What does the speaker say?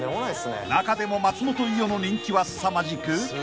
［中でも松本伊代の人気はすさまじく］